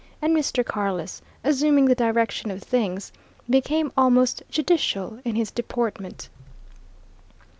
And Mr. Carless, assuming the direction of things, became almost judicial in his deportment.